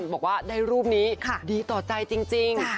บอกว่าได้รูปนี้ดีต่อใจจริง